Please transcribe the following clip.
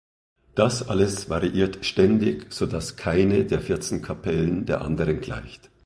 Das alles variiert ständig, sodass keine der vierzehn Kapellen der anderen gleicht.